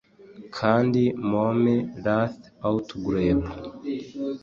Kandi mome raths outgrabe